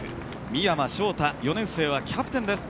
三山翔太、４年生はキャプテンです。